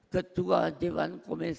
ketua dewan komisaris